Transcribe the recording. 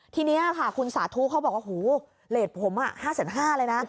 ทีนี้ค่ะคุณสาธุเขาบอกว่าหูเลสผม๕๕๐๐เลยนะ